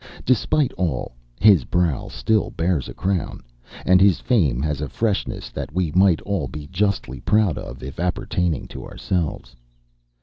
Despite all, his brow still bears a crown, and his fame has a freshness that we might all be justly proud of, if appertaining to ourselves.